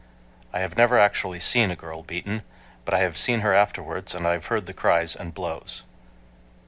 I have never actually seen a girl beaten, but I have seen her afterwards and I have heard the cries and blows.